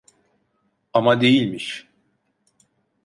Ama değilmiş.